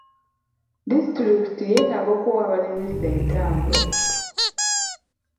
Disitulikiti yeetaaga okuwa abalimisa entambula.